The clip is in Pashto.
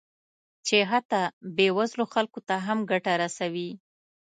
چې حتی بې وزلو خلکو ته هم ګټه رسوي